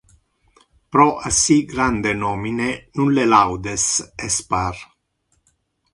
Pro assi grande nomine nulle laudes es par.